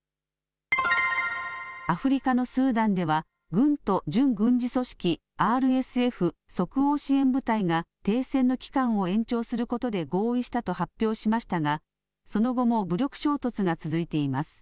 アフリカのスーダンでは軍と準軍事組織ＲＳＦ・即応支援部隊が停戦の期間を延長することで合意したと発表しましたがその後も武力衝突が続いています。